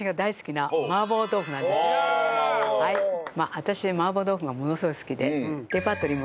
私麻婆豆腐がものすごい好きで。